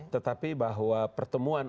tetapi bahwa pertemuan